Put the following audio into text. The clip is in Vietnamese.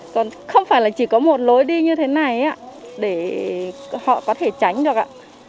còn không phải là chỉ có một lối đi như thế này để họ có thể tránh được ạ